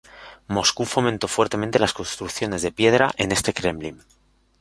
Moscú fomentó fuertemente las construcciones de piedra en este kremlin.